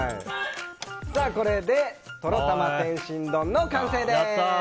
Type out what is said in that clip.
これでとろたま天津丼の完成です。